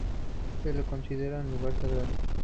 Se lo considera un lugar sagrado.